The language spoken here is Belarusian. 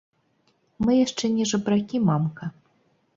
Мы яшчэ не жабракі, мамка!